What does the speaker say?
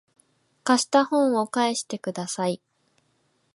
貸した本を返してください